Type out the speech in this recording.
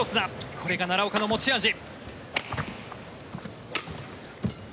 これが奈良岡の持ち味。